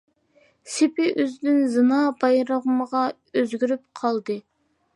سېپى ئۆزىدىن «زىنا» بايرىمىغا ئۆزگىرىپ قالدى!